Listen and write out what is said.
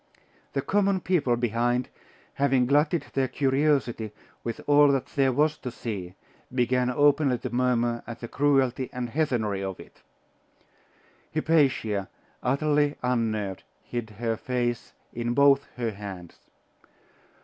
The common people behind, having glutted their curiosity with all that there was to see, began openly to murmur at the cruelty and heathenry of it. Hypatia, utterly unnerved, hid her face in both her hands.